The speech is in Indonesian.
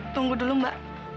tunggu dulu mbak